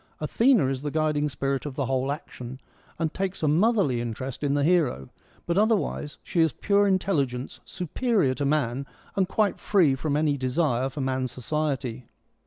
Athena is the guiding spirit of the whole action, and ..takes a motherly interest in the hero, but otherwise she is pure intelligence superior to man and quite free from any desire for man's society.